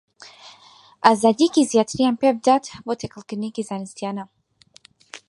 ئازادییەکی زیاتریان پێ بدات بۆ تێکەڵکردنێکی زانستییانە